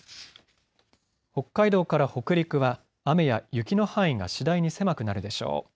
北海道から北陸は雨や雪の範囲が次第に狭くなるでしょう。